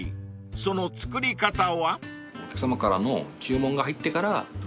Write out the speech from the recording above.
その作り方は］